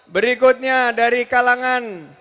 berikutnya dari kalangan